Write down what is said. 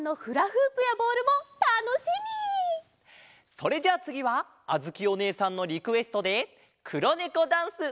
それじゃあつぎはあづきおねえさんのリクエストで「黒ネコダンス」！